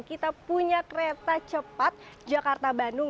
kita punya kereta cepat jakarta bandung